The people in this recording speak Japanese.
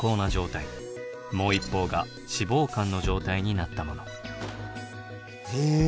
もう一方が脂肪肝の状態になったもの。え。